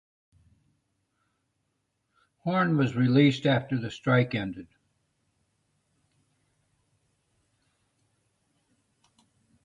Horn was released after the strike ended.